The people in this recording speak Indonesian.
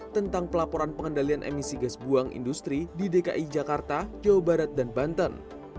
tentang pelaporan pengendalian emisi gas buang industri di dki jakarta jawa barat dan banten